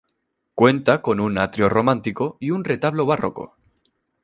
Cuenta con un atrio románico y un retablo barroco.